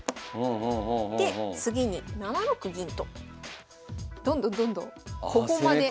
で次に７六銀とどんどんどんどん小駒で。